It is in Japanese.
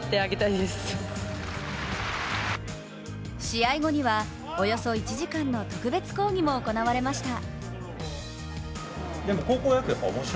試合後には、およそ１時間の特別講義も行われました。